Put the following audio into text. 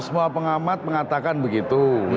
semua pengamat mengatakan begitu